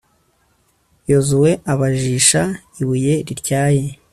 yozuwe abajisha ibuye rityaye